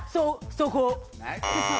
そこ。